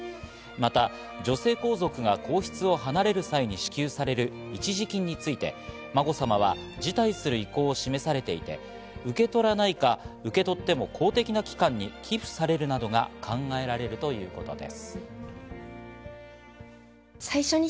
また女性皇族が皇室を離れる際に支給される一時金についてまこさまは辞退する意向を示されていて、受け取らないか、受け取っても公的な機関に寄付されるなどが考えられるということです。